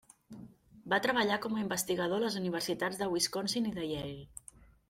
Va treballar com a investigador a les universitats de Wisconsin i de Yale.